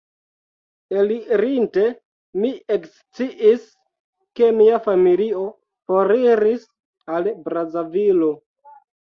Elirinte, mi eksciis, ke mia familio foriris al Brazavilo.